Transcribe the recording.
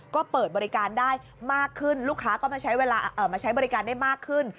ก็เปิดบริการได้มากขึ้นลูกค้าก็มาใช้บริการได้มากขึ้น